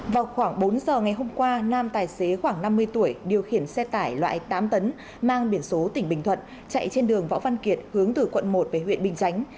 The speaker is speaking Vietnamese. vào khoảng bốn giờ ngày hôm qua nam tài xế khoảng năm mươi tuổi điều khiển xe tải loại tám tấn mang biển số tỉnh bình thuận chạy trên đường võ văn kiệt hướng từ quận một về huyện bình chánh